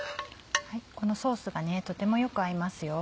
このソースがとてもよく合いますよ。